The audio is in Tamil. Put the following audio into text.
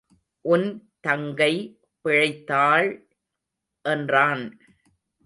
உன் தங்கை பிழைத்தாள் என்றான்.